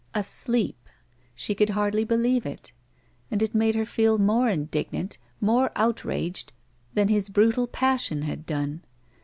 Asleep i she could hardly believe it, and it made her feel more indignant, more outraged than his brutal passion had done.